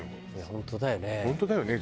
「本当だよね」